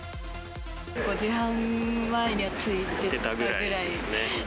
５時半前には着いてたぐらい。